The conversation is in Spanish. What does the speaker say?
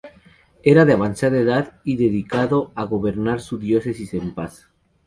Era de avanzada edad y dedicado a gobernar su diócesis en paz.